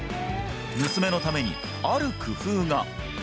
娘のためにある工夫が。